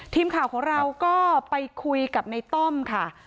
ทีมข่าวของเราก็ไปคุยกับในต้อมค่ะ